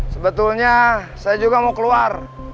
sebetulnya saya juga mau keluar